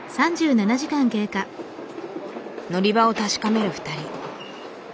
乗り場を確かめる２人。